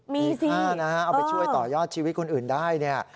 มีค่านะเอาไปช่วยต่อยอดชีวิตคนอื่นได้